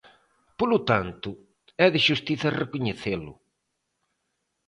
Polo tanto, é de xustiza recoñecelo.